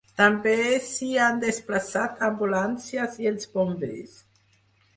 També s’hi han desplaçat ambulàncies i els bombers.